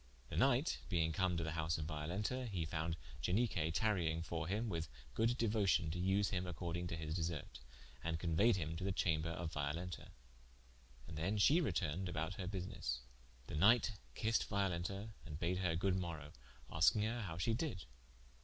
The knight being come to the house of Violenta, he found Ianique tarying for him, with good deuocion to vse him according to his desert, and conueyed him to the chamber of Violenta, and then she retourned about her busines. The knighte kissed Violenta and bad her good morowe, asking her how she did?